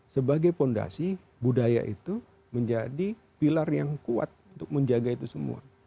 sebagai fondasi budaya itu menjadi pilar yang kuat untuk menjaga itu semua